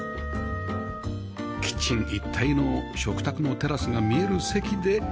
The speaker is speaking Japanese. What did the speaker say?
キッチン一体の食卓のテラスが見える席で頂きます